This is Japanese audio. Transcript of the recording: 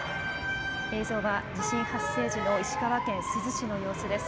映像は地震発生時の石川県珠洲市の様子です。